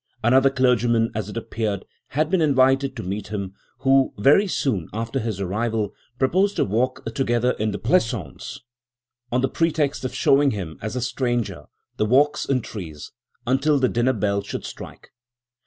Another clergyman, as it appeared, had been invited to meet him, who, very soon after his arrival, proposed a walk together in the pleasaunce, on the pretext of showing him, as a stranger, the walks and trees, until the dinner bell should strike.